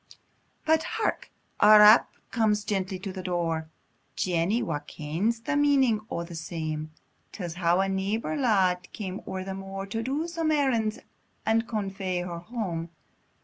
But hark! a rap comes gently to the door; Jenny, wha kens the meaning o' the same, Tells how a neibor lad came o'er the moor, To do some errands, and convoy her hame.